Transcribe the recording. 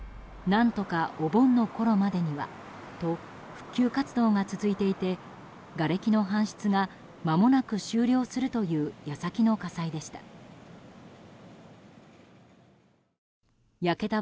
何とかお盆のころまでにはと復旧活動が続いていてがれきの搬出がまもなく終了するという矢先の火災でした。